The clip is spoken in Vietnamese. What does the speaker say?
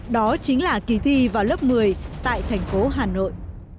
đó chính là kỳ thi vào lớp một mươi tại thành phố hà nội